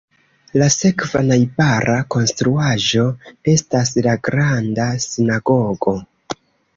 La sekva najbara konstruaĵo estas la Granda Sinagogo.